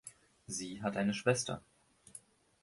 Sie hat eine Schwester.